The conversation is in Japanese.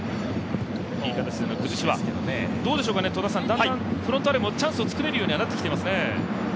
だんだんフロンターレもチャンスを作れるようにはなってきていますね。